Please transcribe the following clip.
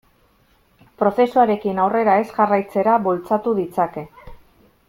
Prozesuarekin aurrera ez jarraitzera bultzatu ditzake.